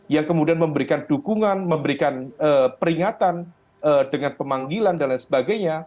yang kemudian memberikan dukungan memberikan peringatan dengan pemanggilan dan lain sebagainya